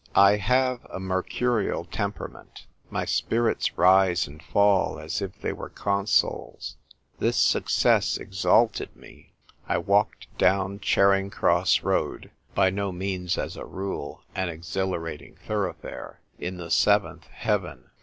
I have a mercurial temperament. My spirits rise and fall as if they were consols. This success exalted me. I walked down Charing Cross Road (by no means, as a rule, an exhilarating thoroughfare) in the seventh heaven.